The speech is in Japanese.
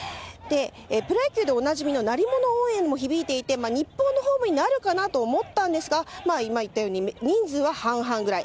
プロ野球でおなじみの鳴り物応援も響いていて日本のホームになるかなと思ったんですが今、言ったように人数は半々ぐらい。